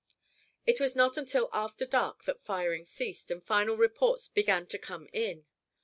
It was not till after dark that firing ceased and final reports began to come in.